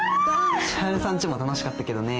千春さんちも楽しかったけどね。